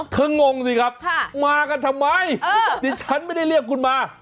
งงสิครับมากันทำไมดิฉันไม่ได้เรียกคุณมา